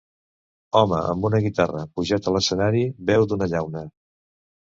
home amb una guitarra pujat a l'escenari beu d'una llauna.